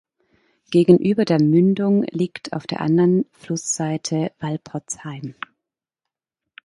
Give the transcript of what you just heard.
Gegenüber der Mündung liegt auf der anderen Flussseite Walporzheim.